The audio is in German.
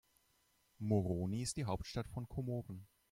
Moroni ist die Hauptstadt von Komoren.